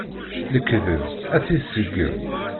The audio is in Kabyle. Lekdeb ad t-iseggem.